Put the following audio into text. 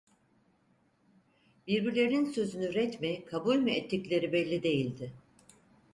Birbirlerinin sözünü ret mi, kabul mü ettikleri belli değildi.